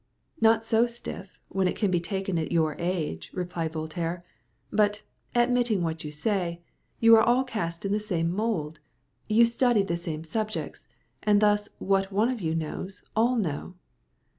"Not so stiff, when it can be taken at your age," replied Voltaire. "But, admitting what you say, you are all cast in the same mould. You study the same subjects, and thus what one of you knows, all know."